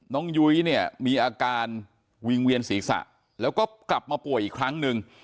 ยุ้ยเนี่ยมีอาการวิงเวียนศีรษะแล้วก็กลับมาป่วยอีกครั้งหนึ่ง